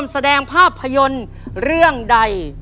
แสดงภาพยนตร์เรื่องใด